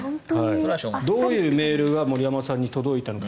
どういうメールが森山さんに届いたのか。